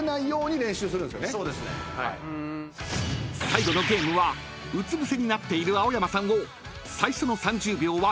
［最後のゲームはうつぶせになっている青山さんを最初の３０秒はキンキの１人が］